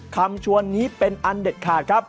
คำชวนนี้เป็นอันเด็ดขาดครับ